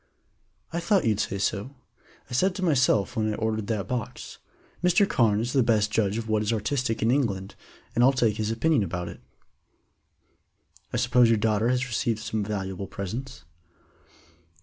"I thought you'd say so. I said to myself when I ordered that box, 'Mr. Carne is the best judge of what is artistic in England, and I'll take his opinion about it.'" "I suppose your daughter has received some valuable presents?"